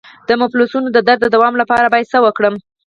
د مفصلونو د درد د دوام لپاره باید څه وکړم؟